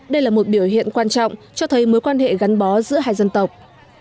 đây là một biểu hiện quan trọng cho thấy mối quan hệ gắn bó giữa hai dân tộc